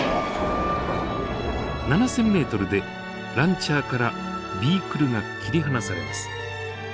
７，０００ｍでランチャーからビークルが切り離されます。